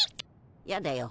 やだよ。